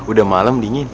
udah malem dingin